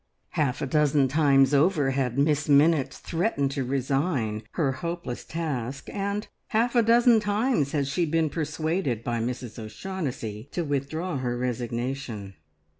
Half a dozen times over had Miss Minnitt threatened to resign her hopeless task, and half a dozen times had she been persuaded by Mrs O'Shaughnessy to withdraw her resignation.